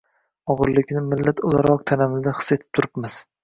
Og‘irligini millat o‘laroq tanamizda his etib turibmiz.